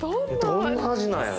どんな味なんやろ。